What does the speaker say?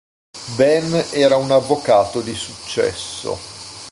Ben era un avvocato di successo.